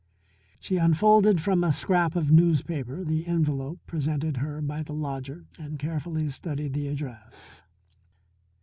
She unfolded from a scrap of newspaper the envelope presented her by the lodger and carefully studied the address.